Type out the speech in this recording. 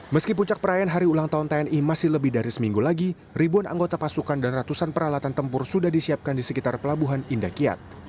meski puncak perayaan hari ulang tahun tni masih lebih dari seminggu lagi ribuan anggota pasukan dan ratusan peralatan tempur sudah disiapkan di sekitar pelabuhan indah kiat